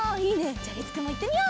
じゃありつくんもいってみよう！